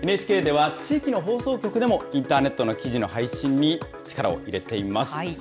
ＮＨＫでは、地域の放送局でもインターネットの記事の配信に力を入れています。